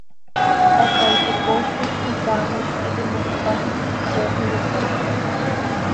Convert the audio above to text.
Hasaaiti coozlil quih hicaamiz quih iti himo tpazjc, coox iyotopl.